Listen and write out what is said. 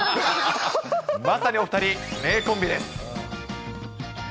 まさにお２人、名コンビです。